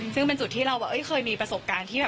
ซึ่งเป็นจุดที่เราเคยมีประสบการณ์ที่แบบ